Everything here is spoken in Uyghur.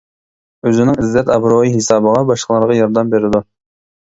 ئۆزىنىڭ ئىززەت-ئابرۇيى ھېسابىغا باشقىلارغا ياردەم بېرىدۇ.